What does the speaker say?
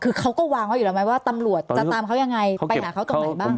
คือเขาก็วางไว้อยู่แล้วไหมว่าตำรวจจะตามเขายังไงไปหาเขาตรงไหนบ้าง